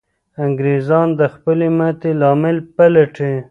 انګریزان د خپلې ماتې لامل پلټي.